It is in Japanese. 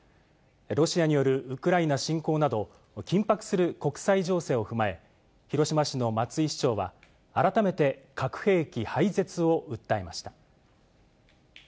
ロシアによるウクライナ侵攻など、緊迫する国際情勢を踏まえ、広島市の松井市長は、改めて核兵器廃絶を訴えました。